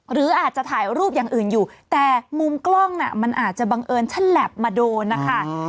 หรืออาจจะถ่ายรูปอย่างอื่นอยู่แต่มุมกล้องน่ะมันอาจจะบังเอิญฉันแหลบมาโดนนะคะ